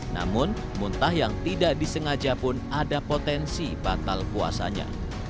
namun muntah yang tidak disengaja pun ada potensi batal puasanya